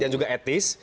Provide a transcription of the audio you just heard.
dan juga etik